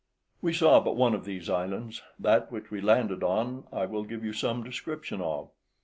We saw but one of these islands; that which we landed on I will give you some description of.